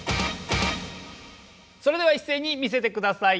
それでは一斉に見せてください。